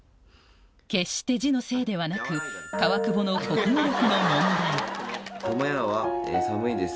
決して字のせいではなく川久保の「苫屋は寒いです。